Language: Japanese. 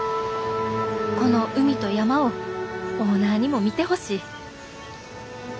この海と山をオーナーにも見てほしい。